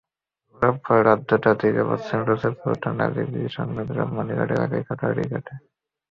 রোববার রাত দুইটার দিকে পশ্চিম রসুলপুর ট্যানারি ব্রিজ-সংলগ্ন কোম্পানীঘাট এলাকায় ঘটনাটি ঘটে।